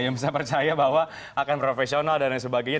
yang bisa percaya bahwa akan profesional dan lain sebagainya